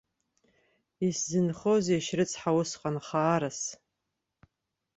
Исзынхозеишь, рыцҳа, усҟан хаарас!